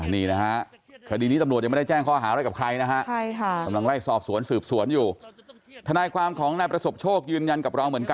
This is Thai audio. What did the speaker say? นี่นะฮะคดีนี้ตำรวจยังไม่ได้แจ้งข้อหาอะไรกับใครนะฮะ